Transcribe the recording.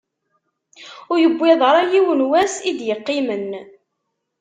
Ur yewwiḍ ara yiwen wass i d-iqqimen.